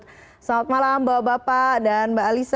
selamat malam bapak bapak dan mbak alisa